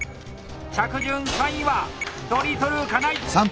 着順３位はドリトル金井！